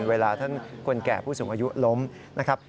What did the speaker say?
เวลาท่านคนแก่ผู้สูงอายุล้มนะครับ